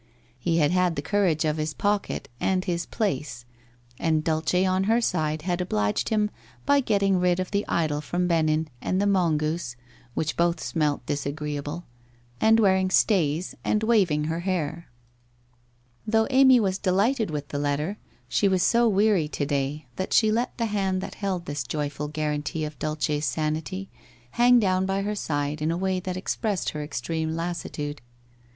He had had the courage of his pocket and his ' place/ and Dulce on her side had obliged him by getting rid of the idol from Benin and the mongoose, which both smelt disagreeable, and wearing stays and waving her hair. 130 WHITE ROSE OF WEARY LEAF 131 Though Amy was delighted with the letter, she was so weary to day that she let the hand that held this joyful guarantee of Dulce's sanity, hang down by her side in a way that expressed her extreme lassitude.